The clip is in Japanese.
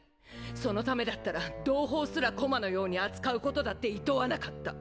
そのためだったら同胞すら駒のように扱うことだって厭わなかった。